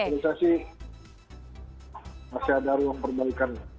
jadi masih ada ruang perbaikan